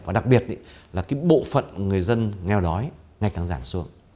và đặc biệt là cái bộ phận người dân nghèo đói ngày càng giảm xuống